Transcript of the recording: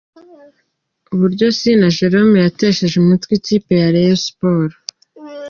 Uburyo Sina Jérôme yatesheje umutwe ikipe ya Rayon Sports.